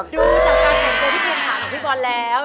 ดูจำการแข่งตัวที่คุณหาของพี่บอลแล้ว